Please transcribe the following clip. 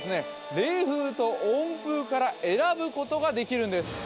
冷風と温風から選ぶことができるんです